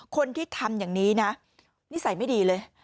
คนที่ทำอย่างนี้นะนิสัยไม่ดีเลย